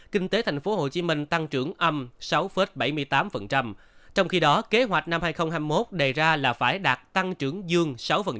kinh tế thành phố hồ chí minh tăng trưởng âm sáu bảy mươi tám trong khi đó kế hoạch năm hai nghìn hai mươi một đề ra là phải đạt tăng trưởng dương sáu